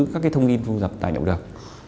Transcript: các thông tin thu dập tài liệu được